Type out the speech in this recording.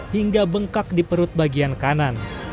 hingga bengkak di perut bagian kanan